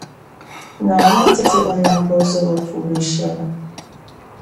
Naawuni ti ti o nambɔzɔbo puuni shɛli.